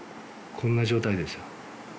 こんな状態ですよ